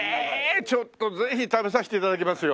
ちょっとぜひ食べさせて頂きますよ。